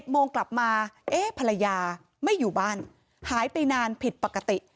โมงกลับมาเอ๊ะภรรยาไม่อยู่บ้านหายไปนานผิดปกติ